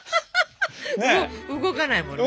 動かないもんね。